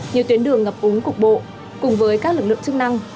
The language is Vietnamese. nhiều tuyến đường ngập úng cục bộ cùng với các lực lượng chức năng